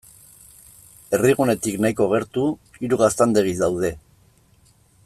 Herrigunetik nahiko gertu, hiru gaztandegi daude.